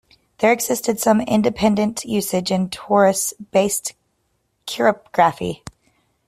There exists some independent usage in torus based cryptography.